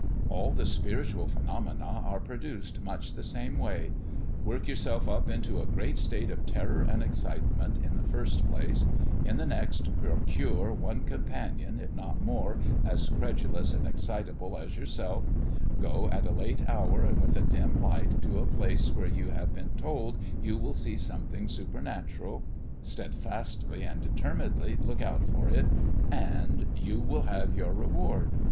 All the spiritual phenomena are produced much in the same way. Work yourself up into a great state of terror and excitement, in the first place; in the next, procure one companion, if not more, as credulous and excitable as yourself; go at a late hour and with a dim light to a place where you have been told you will see something supernatural; steadfastly and determinedly look out for it, and you will have your reward.